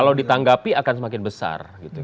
kalau ditanggapi akan semakin besar